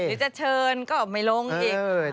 หรือจะเชิญก็ไม่ลงอีก